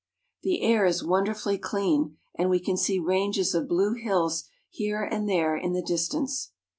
The air is wonderfully clear, and we can see ranges of blue hills here and there in the distance.